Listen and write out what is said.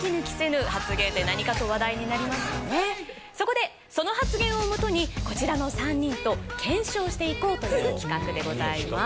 そこでその発言をもとにこちらの３人と検証していこうという企画でございます。